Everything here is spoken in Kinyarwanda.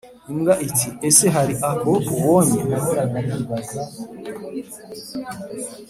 imbwa iti «ese hari ako ubonye?»